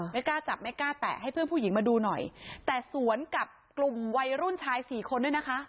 ไม่กล้าจับไม่กล้าแตะให้เพื่อนผู้หญิงมาดูหน่อยแต่สวนกับกลุ่มวัยรุ่นชายสี่คนด้วยนะคะ